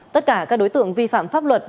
tất cả các đối tượng vi phạm pháp luật